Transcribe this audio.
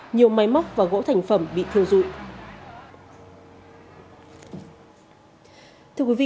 nhiều máy móc và gỗ thành phẩm bị thiêu dụi